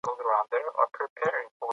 بې له وضاحت څخه یوازي نوم یادول کافي نه دي.